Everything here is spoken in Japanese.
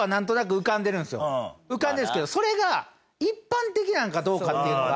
浮かんでるんですけどそれが一般的なんかどうかっていうのが。